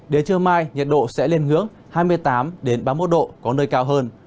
đến trưa mai nhiệt độ sẽ lên hướng hai mươi tám ba mươi một độ có nơi cao hơn